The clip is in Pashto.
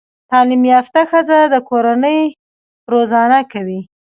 تعليم يافته ښځه د کورنۍ روزانه کوي